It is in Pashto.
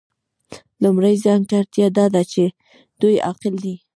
لومړۍ ځانګړتیا دا ده چې دوی عاقل دي.